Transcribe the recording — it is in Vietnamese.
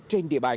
trên địa bàn